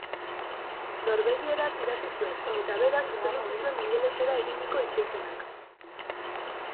Norvegieraz idatzi zuen, eta berak zuzendu zituen ingelesera eginiko itzulpenak.